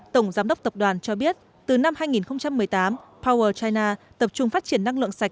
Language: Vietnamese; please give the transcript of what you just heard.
tổng giám đốc tập đoàn cho biết từ năm hai nghìn một mươi tám power china tập trung phát triển năng lượng sạch